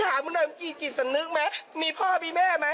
ถามหน่อยพี่จิตสนึกไหมมีพ่อมีแม่ไหม